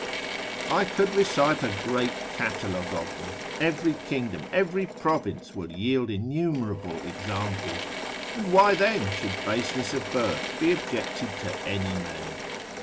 I could recite a great catalogue of them, every kingdom, every province will yield innumerable examples: and why then should baseness of birth be objected to any man?